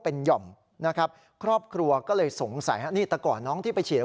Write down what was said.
เป็นหย่อมนะครับครอบครัวก็เลยสงสัยฮะนี่แต่ก่อนน้องที่ไปเฉียว